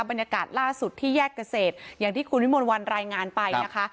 บรรยากาศล่าสุดที่แยกเกษตรอย่างที่คุณวิมวลวันรายงานไปนะคะ